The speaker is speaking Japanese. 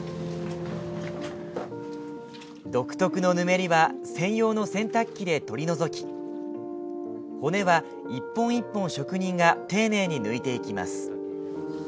独特のぬめりは専用の洗濯機で取り除き骨は、１本１本職人が丁寧に抜いていきます。